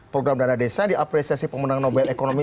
program dana desa yang diapresiasi pemenang nobel ekonomi